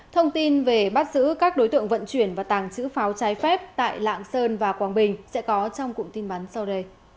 thông tin về bắt giữ các đối tượng vận chuyển và tàng chữ pháo trái phép tại lạng sơn và bắc sơn